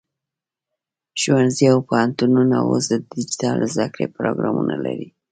ښوونځي او پوهنتونونه اوس د ډیجیټل زده کړې پروګرامونه لري.